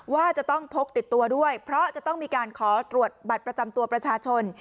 ว่าจะต้องพกติดตัวด้วยเพราะจะต้องมีการขอตรวจบัตรประจำตัวประชาชน